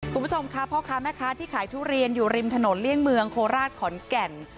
คุณผู้ชมค่ะพ่อค้าแม่ค้าที่ขายทุเรียนอยู่ริมถนนเลี่ยงเมืองโคราชขอนแก่น